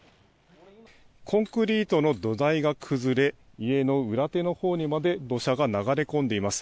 コンクリートの土台が崩れ家の裏手のほうにまで土砂が流れ込んでいます。